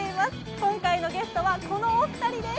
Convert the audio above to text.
今回のゲストはこのお二人です。